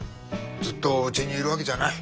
ずっとうちにいるわけじゃない。